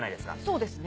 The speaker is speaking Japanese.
そうですね。